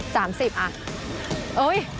๑๕ใช่ไหม